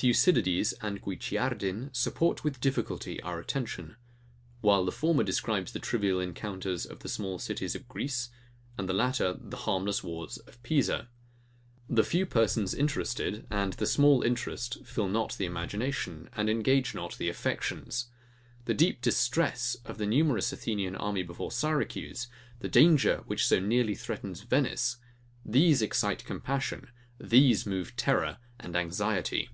Thucydides and Guicciardin support with difficulty our attention; while the former describes the trivial encounters of the small cities of Greece, and the latter the harmless wars of Pisa. The few persons interested and the small interest fill not the imagination, and engage not the affections. The deep distress of the numerous Athenian army before Syracuse; the danger which so nearly threatens Venice; these excite compassion; these move terror and anxiety.